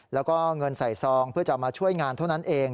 แล้วก็เงินใส่ซองเพื่อจะมาช่วยงานเท่านั้นเอง